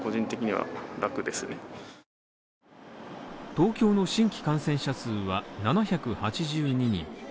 東京の新規感染者数は７８２人。